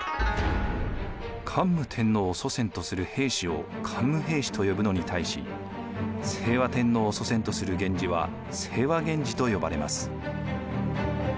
桓武天皇を祖先とする平氏を桓武平氏と呼ぶのに対し清和天皇を祖先とする源氏は清和源氏と呼ばれます。